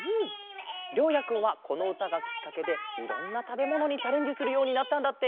りょうやくんはこのうたがきっかけでいろんなたべものにチャレンジするようになったんだって！